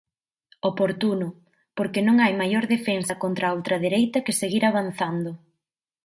Oportuno, porque non hai maior defensa contra a ultradereita que seguir avanzando.